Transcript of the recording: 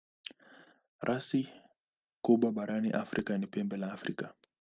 Rasi kubwa barani Afrika ni Pembe la Afrika.